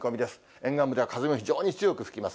沿岸部では、風が非常に強く吹きます。